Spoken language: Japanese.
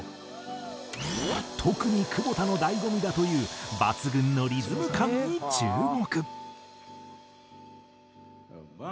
特に久保田の醍醐味だという抜群のリズム感に注目。